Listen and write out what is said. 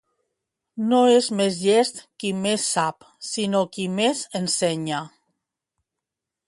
No és més llest qui més sap, sinó qui més ensenya.